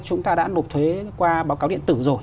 chúng ta đã nộp thuế qua báo cáo điện tử rồi